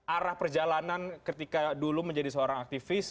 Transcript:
arah perjalanan ketika dulu menjadi seorang aktivis